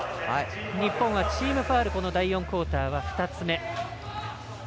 日本はチームファウル第４クオーター、２つ目。